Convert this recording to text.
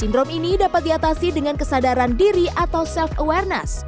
sindrome ini dapat diatasi dengan kesadaran diri atau self awareness